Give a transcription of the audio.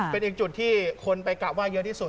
เป็นอีกจุดที่คนไปกลับไห้เยอะที่สุด